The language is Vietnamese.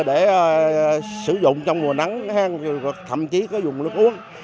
để sử dụng trong mùa nắng thậm chí có dùng nước uống